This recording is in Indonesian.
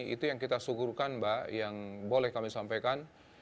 itu yang kita syukurkan mbak yang boleh kami sampaikan